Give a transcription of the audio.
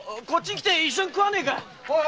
こっちへきて一緒に食わねえか。